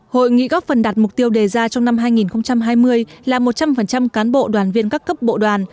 hội nghị góp phần đạt mục tiêu đề ra trong năm hai nghìn hai mươi là một trăm linh cán bộ đoàn viên các cấp bộ đoàn